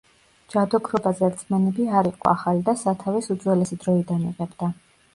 ჯადოქრობაზე რწმენები არ იყო ახალი და სათავეს უძველესი დროიდან იღებდა.